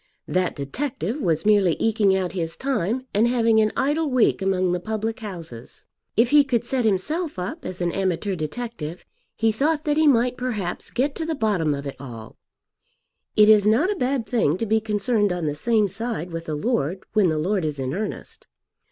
That detective was merely eking out his time and having an idle week among the public houses. If he could set himself up as an amateur detective he thought that he might perhaps get to the bottom of it all. It is not a bad thing to be concerned on the same side with a lord when the lord is in earnest.